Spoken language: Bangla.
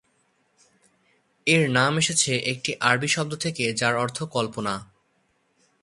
এর নাম এসেছে একটি আরবি শব্দ থেকে যার অর্থ "কল্পনা"।